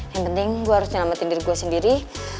yang penting gue harus nyelamatin diri gue sendiri